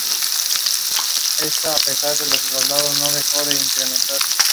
Se llama así por el río Sofia que discurre por ella.